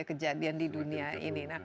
kejadian di dunia ini